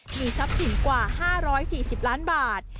มีทรัพย์สินกว่า๕๔๐ล้านบาท